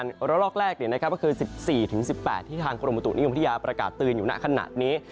อันดับแรกก็คือ๑๔๑๘ที่ทางกรมบุตุนิยมพระเทียประกาศตื่นอยู่หน้าขนาดนี้